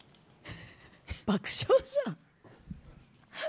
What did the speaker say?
爆笑じゃん。